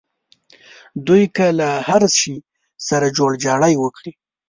دوی که له هر شي سره جوړجاړی وکړي.